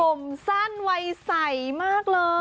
ผมสั้นไวใสส์มากเลย